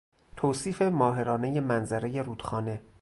توصیف ماهرانهی منظرهی رودخانه